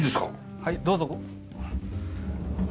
はいどうぞ。